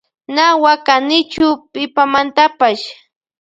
Na wakanichu pimantapash.